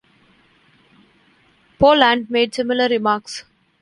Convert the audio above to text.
Poland made similar remarks.